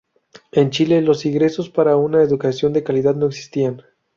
En Chile los ingresos para una educación de calidad no existían.